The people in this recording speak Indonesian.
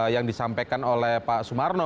yang disampaikan oleh pak sumarno